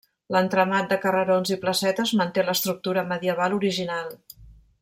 L'entramat de carrerons i placetes manté l'estructura medieval original.